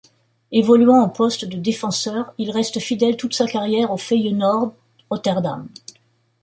Évoluant au poste de défenseur, il reste fidèle toute sa carrière au Feyenoord Rotterdam.